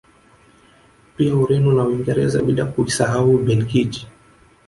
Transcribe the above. Pia Ureno na Uingereza bila kuisahau Ubelgiji